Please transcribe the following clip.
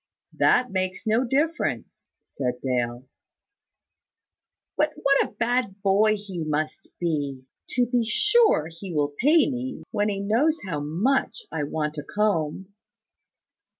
"That makes no difference," said Dale. "But what a bad boy he must be! To be sure, he will pay me, when he knows how much I want a comb."